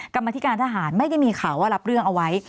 กรรมธิการทหารไม่ได้มีข่าวว่ารับเรื่องเอาไว้